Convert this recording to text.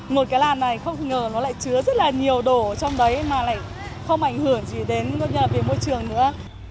một cái làn này không ngờ nó lại chứa rất là nhiều đồ trong đấy mà lại không ảnh hưởng gì đến môi trường nữa